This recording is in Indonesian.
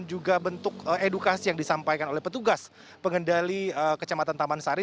dan juga bentuk edukasi yang disampaikan oleh petugas pengendali kecamatan taman sari